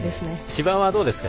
芝はどうですか？